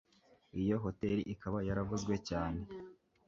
iyo Hoteli ikaba yaravuzwe cyane